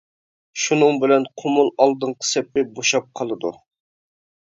شۇنىڭ بىلەن قۇمۇل ئالدىنقى سېپى بوشاپ قالىدۇ.